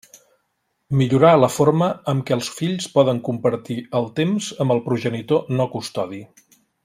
Millorar la forma en què els fills poden compartir el temps amb el progenitor no custodi.